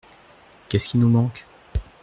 Qu’est-ce qui nous manque ?…